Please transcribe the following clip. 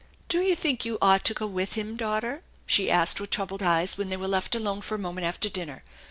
" Do you think you ought to go with him, daughter ?" she asked with troubled eyes, when they were left alone for a moment after dinner.